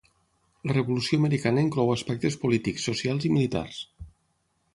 La Revolució Americana inclou aspectes polítics, socials i militars.